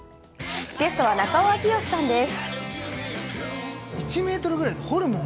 ゲストは中尾明慶さんです。